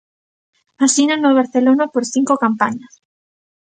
Asina no Barcelona por cinco campañas.